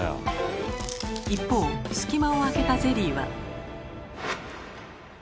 一方隙間を空けたゼリーは。